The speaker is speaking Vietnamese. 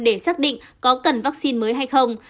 để xác định có cần vaccine mới hay không